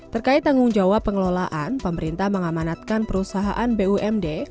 terkait tanggung jawab pengelolaan pemerintah mengamanatkan perusahaan bumd